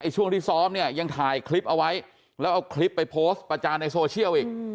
ช่วงที่ซ้อมเนี่ยยังถ่ายคลิปเอาไว้แล้วเอาคลิปไปโพสต์ประจานในโซเชียลอีก